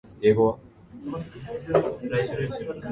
北海道紋別市